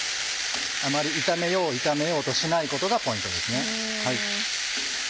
あまり炒めよう炒めようとしないことがポイントですね。